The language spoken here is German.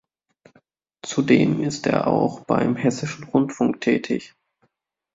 Zudem ist er auch beim Hessischen Rundfunk tätig.